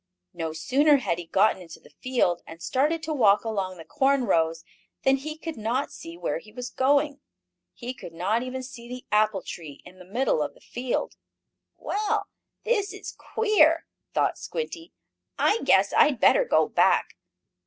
No sooner had he gotten into the field, and started to walk along the corn rows, than he could not see where he was going. He could not even see the apple tree in the middle of the field. "Well, this is queer," thought Squinty. "I guess I had better go back.